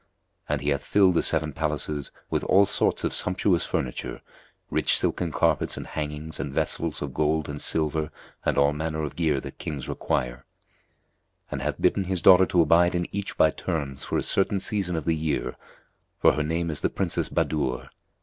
And he hath filled the seven palaces with all sorts of sumptuous furniture, rich silken carpets and hangings and vessels of gold and silver and all manner of gear that kings require; and hath bidden his daughter to abide in each by turns for a certain season of the year; and her name is the Princess Budur.